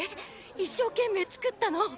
一生懸命作ったの。